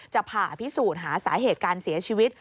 ผ่าพิสูจน์หาสาเหตุการเสียชีวิต